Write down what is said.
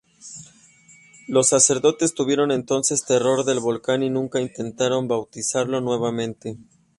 Los sacerdotes tuvieron entonces terror del volcán y nunca intentaron bautizarlo nuevamente.